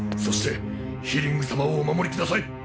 そしてヒリング様をお守りください。